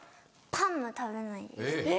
パンも食べないです。